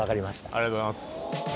ありがとうございます。